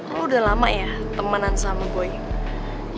lo udah lama ya temenan sama boy